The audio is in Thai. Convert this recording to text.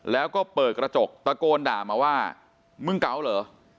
แล้วก็เปิดกระจกตะโกนด่ามาว่ามึงเกาเหรอ